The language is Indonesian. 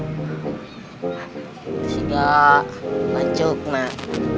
nah sudah lanjut nah